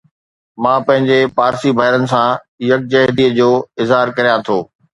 مان پنهنجي پارسي ڀائرن سان يڪجهتي جو اظهار ڪريان ٿو